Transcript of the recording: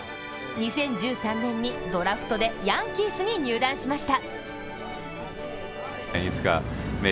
２０１３年にドラフトでヤンキースに入団しました。